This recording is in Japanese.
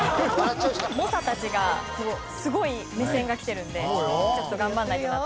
猛者たちがすごい目線が来てるのでちょっと頑張らないとなと。